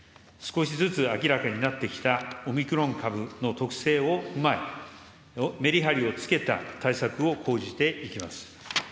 少しずつ明らかになってきたオミクロン株の特性を踏まえ、メリハリをつけた対策を講じていきます。